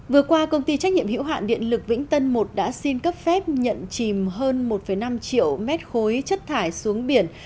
vừa qua công ty trách nhiệm hữu hạn điện lực vĩnh tân một đã xin cấp phép nhận chìm hơn một năm triệu mét khối chất thải xuống biển